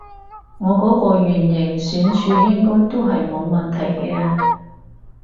我嗰個圓形選取應該都係冇問題嘅啊